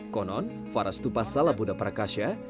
konon farastupa salabuddha prakasa